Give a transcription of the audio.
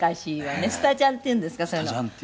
谷村：スタジャンっていうんですって。